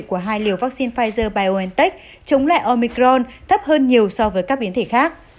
của hai liều vaccine pfizer biontech chống lại omicrone thấp hơn nhiều so với các biến thể khác